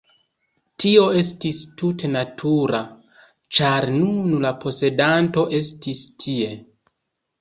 Tio estis tute natura, ĉar nun la posedanto estis tie.